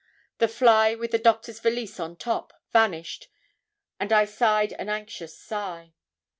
The fly, with the doctor's valise on top, vanished, and I sighed an anxious sigh.